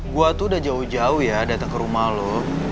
gue tuh udah jauh jauh ya datang ke rumah loh